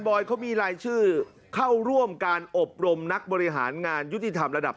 อยเขามีรายชื่อเข้าร่วมการอบรมนักบริหารงานยุติธรรมระดับ